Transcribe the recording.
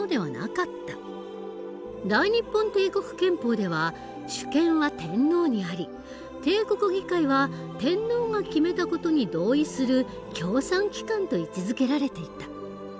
大日本帝国憲法では主権は天皇にあり帝国議会は天皇が決めた事に同意する協賛機関と位置づけられていた。